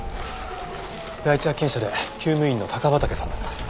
第一発見者で厩務員の高畠さんです。